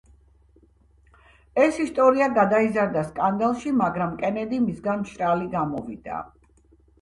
ეს ისტორია გადაიზარდა სკანდალში, მაგრამ კენედი მისგან მშრალი გამოვიდა.